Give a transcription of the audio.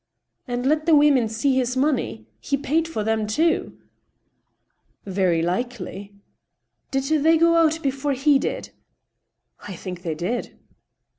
" And let the women see this money ? He paid for them too ?" "Very likely." *' Did they go out before he did ?"" I think they did."